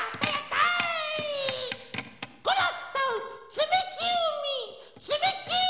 つみきうみつみきうみ！